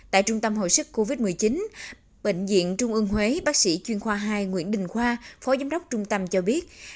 tại trung tâm hồi sức covid một mươi chín bệnh viện trung ương huế bác sĩ chuyên khoa hai nguyễn đình khoa phó giám đốc trung tâm cho biết